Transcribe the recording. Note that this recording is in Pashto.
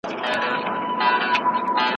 قصاص به څنګه عملي کېږي؟